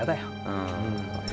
うん。